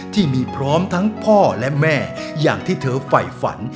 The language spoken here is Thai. ที่มีพร้อมทั้งพ่อและแม่อย่างที่เธอไฝฝัน